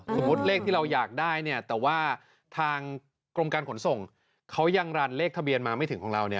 สมมุติเลขที่เราอยากได้เนี่ยแต่ว่าทางกรมการขนส่งเขายังรันเลขทะเบียนมาไม่ถึงของเราเนี่ย